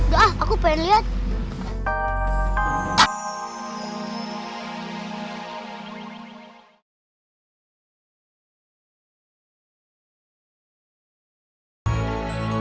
wah kagak laper nih pengen makan somai